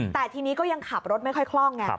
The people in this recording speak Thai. แต่ทีนี้ก็ยังขับรถไม่ค่อยคล่องไง